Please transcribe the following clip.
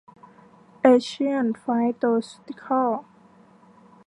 เอเชียน ไฟย์โตซูติคอลส์